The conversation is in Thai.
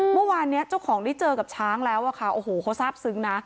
เมื่อวานนี้เจ้าของได้เจอกับช้างแล้วอะค่ะโอ้โหเขาทราบซึ้งนะ